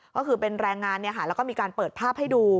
ก็คือเป็นแรงงานแล้วก็มีการเปิดภาพให้ดู